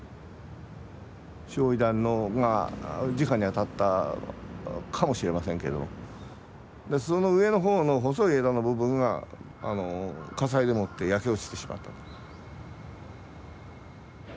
焼夷弾がじかに当たったかもしれませんけどその上のほうの細い枝の部分が火災でもって焼け落ちてしまったと。